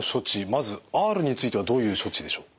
まずＲについてはどういう処置でしょう？